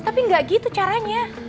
tapi gak gitu caranya